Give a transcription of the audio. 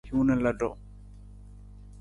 Hiwung na lutu.